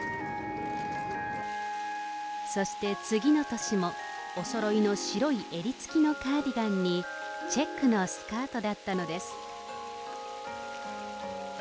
そして次の年も、おそろいの白い襟付きのカーディガンに、チェックのスカートだったのです。